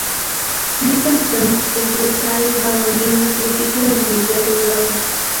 No hay conexión entre tal baronía y el título nobiliario de Barón.